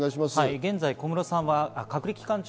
現在小室さんは隔離期間中。